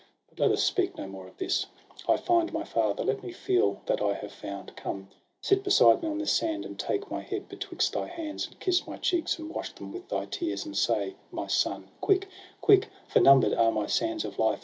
But let us speak no more of this ! I find My father ; let me feel that I have found ! Come, sit beside me on this sand, and take My head betwixt thy hands, and kiss my cheeks. And wash them with thy tears, and say : My son ! Quick ! quick ! for number'd are my sands of life.